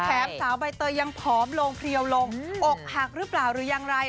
สาวใบเตยยังผอมลงเพลียวลงอกหักหรือเปล่าหรือยังไร